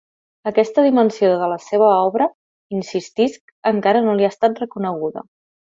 Aquesta dimensió de la seua obra, insistisc, encara no li ha estat reconeguda.